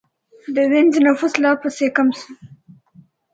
د وینز نفوس لا پسې کم شو